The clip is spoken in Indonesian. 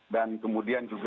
dan kemudian juga